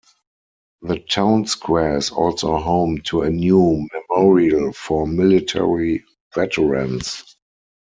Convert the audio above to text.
The Town Square is also home to a new memorial for military veterans.